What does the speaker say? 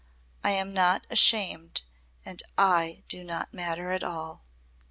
"I am not ashamed and I do not matter at all."